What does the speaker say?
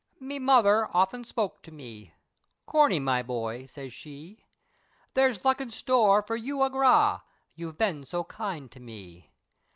ME mother often spoke to me, "Corney me boy," siz she, "There's luck in store for you agra! You've been so kind to me!